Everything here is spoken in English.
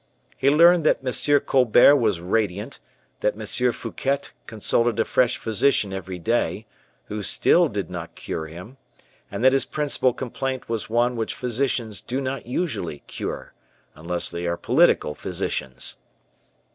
He learned that M. Colbert was radiant; that M. Fouquet consulted a fresh physician every day, who still did not cure him, and that his principal complaint was one which physicians do not usually cure, unless they are political physicians.